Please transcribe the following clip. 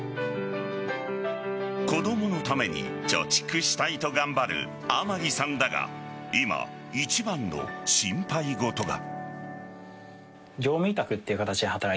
子供のために貯蓄したいと頑張る天城さんだが今、一番の心配事が。